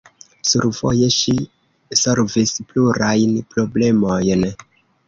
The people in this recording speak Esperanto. Survoje ŝi solvis plurajn problemojn.